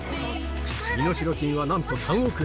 身代金はなんと３億円。